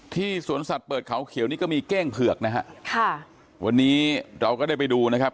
สวนสัตว์เปิดเขาเขียวนี่ก็มีเก้งเผือกนะฮะค่ะวันนี้เราก็ได้ไปดูนะครับ